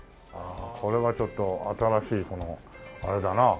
これはちょっと新しいこのあれだな。